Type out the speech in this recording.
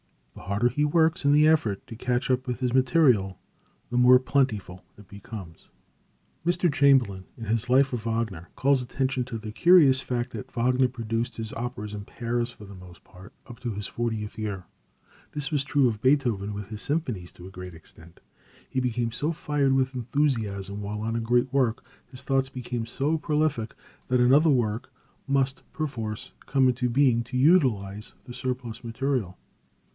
The harder he works in the effort to catch up with his material, the more plentiful it becomes. Mr. Chamberlain, in his Life of Wagner, calls attention to the curious fact that Wagner produced his operas in pairs for the most part, up to his fortieth year. This was true of Beethoven with his symphonies, to a great extent. He became so fired with enthusiasm while on a great work, his thoughts became so prolific, that another work must, perforce, come into being to utilize the surplus material.